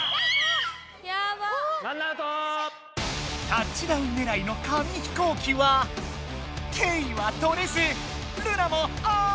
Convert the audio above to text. タッチダウンねらいの紙飛行機はケイはとれずルナもあ！